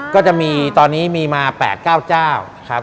ก็จะมีตอนนี้มีมา๘๙เจ้าครับ